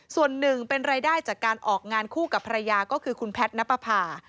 ส่วนหนึ่งเป็นรายได้จากการออกงานคู่กับภรรยาก็คือคุณแพทย์นับประพา